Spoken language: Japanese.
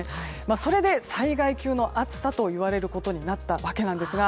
それで、災害級の暑さといわれることになったわけなんですが。